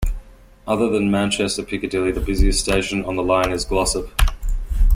Other than Manchester Piccadilly, the busiest station on the line is Glossop.